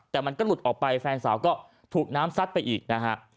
แต่มันก็หลุดออกไปแฟนสาวก็ถูกน้ำซัดไปอีกนะฮะ